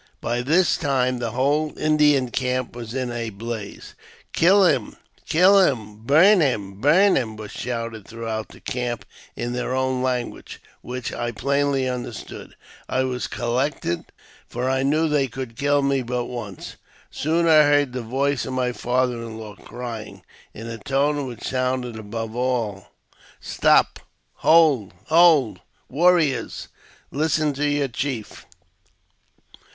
By this time the whole Indian camp was in a blaze. " Kill him ! kill him ; burn him ! burn him !" was shouted through / out the camp in their own language, which I plainly under stood. I was collected, for I knew they could kill me but once. Soon I heard the voice of my father in law crying, in a tone which sounded above all, "Stop! hold! hold! warriors! listen to your chief."